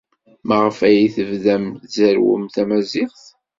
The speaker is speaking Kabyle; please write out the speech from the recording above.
Maɣef ay tebdam tzerrwem tamaziɣt?